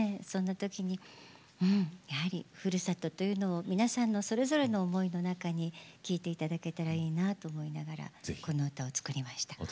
そんなときにふるさとというのを皆さんそれぞれの思いの中に聴いていただけたらなと思いながらこの歌を作りました。